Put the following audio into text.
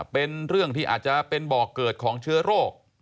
เป็นเรื่องที่อาจจะเป็นบ่อเกิดของเชื้อโรค